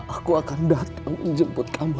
aku akan datang menjemput kamu